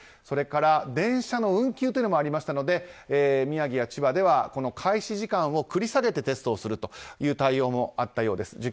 それから電車の運休もありましたので宮城や千葉では開始時間を繰り下げてテストをするという対応もあったようです。